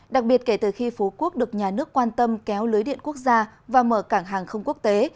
đặc biệt kể từ khi phú quốc được nhà nước quan tâm kéo lưới điện quốc gia và mở cảng hàng không quốc tế